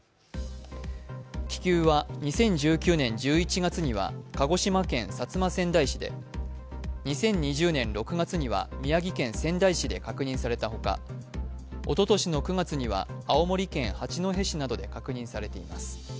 気球は２０１９年１１月には鹿児島県薩摩川内市で２０２０年６月には、宮城県仙台市で確認されたほか、おととしの９月には青森県八戸市などで確認されています。